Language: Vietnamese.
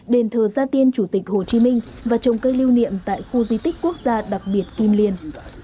đền thờ gia tiên chủ tịch hồ chí minh và trồng cây lưu niệm tại khu di tích quốc gia đặc biệt kim liên